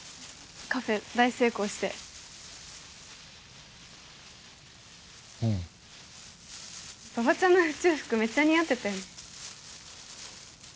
カフェ大成功してうん馬場ちゃんの宇宙服めっちゃ似合ってたよね